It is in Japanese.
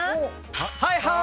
はいはい！